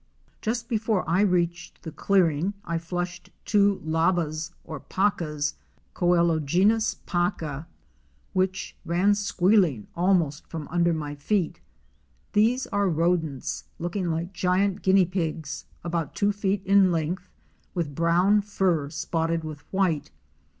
305 Just before I reached the clearing I flushed two labbas or pacas (Coelogenys paca) which ran squealing almost from under my feet. These are rodents, looking like giant Guinea pigs about two feet in length, with brown fur spotted with white.